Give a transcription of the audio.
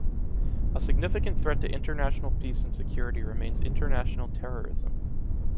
A significant threat to international peace and security remains international terrorism.